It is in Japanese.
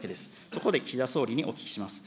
そこで岸田総理にお聞きします。